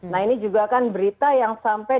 nah ini juga kan berita yang sampai